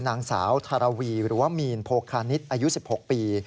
นางสาวทารวีหรือว่ามีนโพคานิตอายุ๑๖ปี